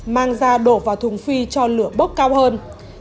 mang ra đổ vào thùng phi cho lửa bốc cao hơn